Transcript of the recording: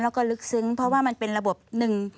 แล้วก็ลึกซึ้งเพราะว่ามันเป็นระบบหนึ่ง